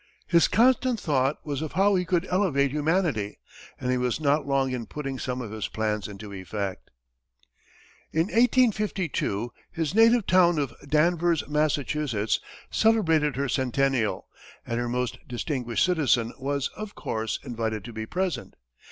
His constant thought was of how he could elevate humanity, and he was not long in putting some of his plans into effect. In 1852, his native town of Danvers, Massachusetts, celebrated her centennial, and her most distinguished citizen was, of course, invited to be present.